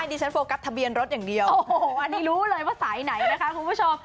ดิฉันโฟกัสทะเบียนรถอย่างเดียวโอ้โหอันนี้รู้เลยว่าสายไหนนะคะคุณผู้ชม